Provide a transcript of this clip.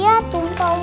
ya tumpah umar